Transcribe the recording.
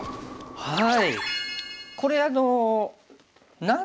はい。